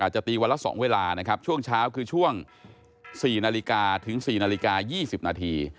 ตีวันละ๒เวลานะครับช่วงเช้าคือช่วง๔นาฬิกาถึง๔นาฬิกา๒๐นาที